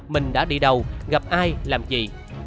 mình đã đi đâu gặp ai làm gì